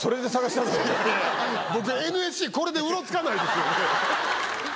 僕ＮＳＣこれでうろつかないですよね。